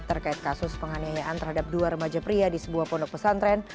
terkait kasus penganiayaan terhadap dua remaja pria di sebuah pondok pesantren